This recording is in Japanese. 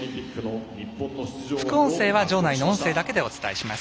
副音声は場内の音声だけでお伝えします。